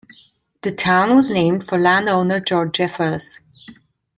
The town was named for land-owner George Jeffers.